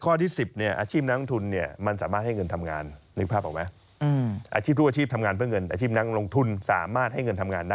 ข้อที่๙เนี่ยความผลผลในตลาดหุ้นมันมีพร้อมระยะสั้น